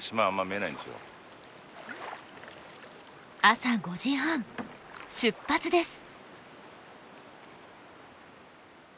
朝５時半出発です。